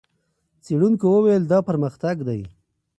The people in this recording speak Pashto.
څېړونکو وویل، دا پرمختګ دی.